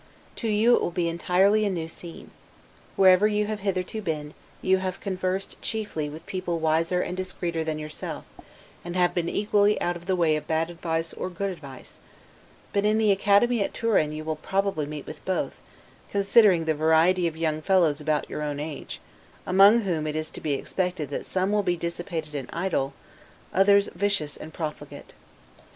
To you it will be entirely a new scene. Wherever you have hitherto been, you have conversed, chiefly, with people wiser and discreeter than yourself; and have been equally out of the way of bad advice or bad example; but in the Academy at Turin you will probably meet with both, considering the variety of young fellows about your own age; among whom it is to be expected that some will be dissipated and idle, others vicious and profligate.